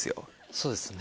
そうですね。